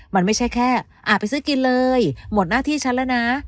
มันไม่ใช่แค่ไปซื้อกินเลยหมดหน้าที่ฉันแล้วนะ